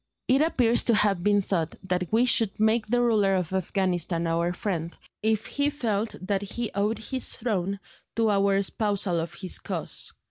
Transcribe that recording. It appears to have been thought that we should make the ruler of Afghanistan our friend, if he felt that he owed his throne to our espousal of his cause.